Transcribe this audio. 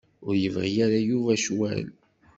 Ur yebɣi ara Yuba ccwal.